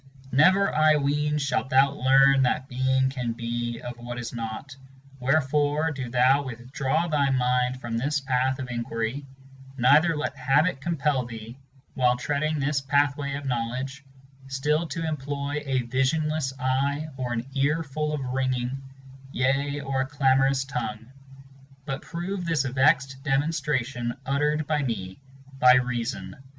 Never I ween shalt thou learn that Being can be of what is not; Wherefore do thou withdraw thy mind from this path of inquiry, Neither let habit compel thee, while treading this pathway of knowledge, Still to employ a visionless eye or an ear full of ringing, Yea, or a clamorous tongue; but prove this vext demonstration Uttered by me, by reason.